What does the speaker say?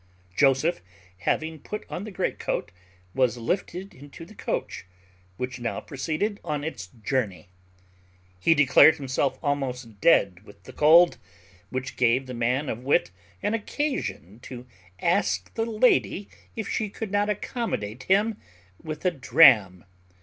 Joseph, having put on the greatcoat, was lifted into the coach, which now proceeded on its journey. He declared himself almost dead with the cold, which gave the man of wit an occasion to ask the lady if she could not accommodate him with a dram.